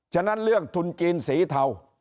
ฉะนั้นเรื่องทุนจีนสีเทา